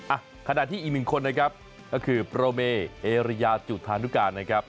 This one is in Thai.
อ่ะขณะที่อีกหนึ่งคนนะครับก็คือโปรเมเอริยาจุธานุการนะครับ